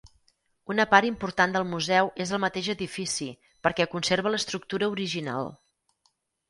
Una part important del museu és el mateix edifici, perquè conserva l'estructura original.